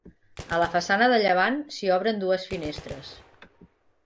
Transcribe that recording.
A la façana de llevant s'hi obren dues finestres.